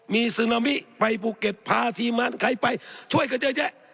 มีสุนามิไปปุเก็ตพาทีมันใครไปช่วยกันเจ๊